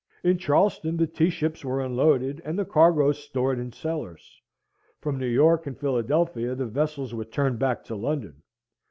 In Charleston the tea ships were unloaded, and the cargoes stored in cellars. From New York and Philadelphia, the vessels were turned back to London.